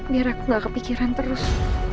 biar aku gak kepikiran terus